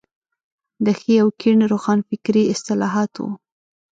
د ښي او کيڼ روښانفکري اصطلاحات وو.